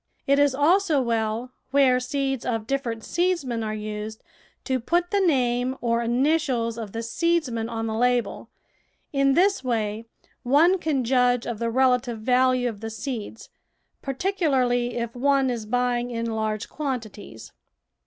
It is also well, where seeds of different seedsmen are used, to put the. name or initials of the seedsman on the label. In this way one can judge of the relative value of the seeds, particularly if one is buying in large quantities.